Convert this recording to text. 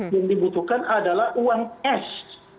yang dibutuhkan adalah uang s